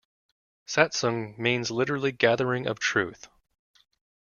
Satsang means literally gathering of Truth.